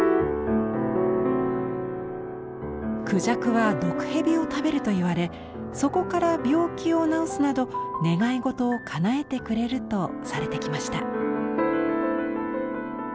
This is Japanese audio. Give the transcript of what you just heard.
孔雀は毒蛇を食べるといわれそこから病気を治すなど願い事をかなえてくれるとされてきました。